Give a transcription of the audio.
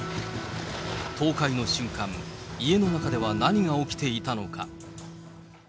倒壊の瞬間、家の中では何が起きていたのか。